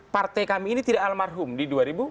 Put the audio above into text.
partai kami ini tidak almarhum di dua ribu empat belas